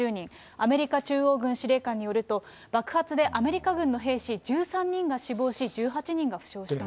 アメリカ中央軍司令官によると、爆発でアメリカ軍の兵士１３人が死亡し、１８人が負傷したと。